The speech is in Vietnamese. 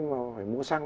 mà phải mua xăng